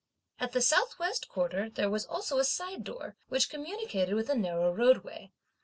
At the south west quarter, there was also a side door, which communicated with a narrow roadway.